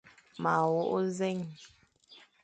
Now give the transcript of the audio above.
Ma wôkh nzèn.